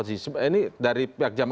ini dari pihak jamah